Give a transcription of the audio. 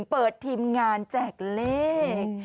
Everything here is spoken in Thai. เปิดทีมงานแจกเลข